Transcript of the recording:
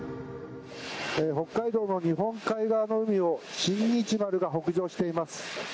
北海道の日本海側の海を「新日丸」が北上しています。